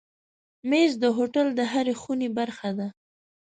مېز د هوټل د هرې خونې برخه ده.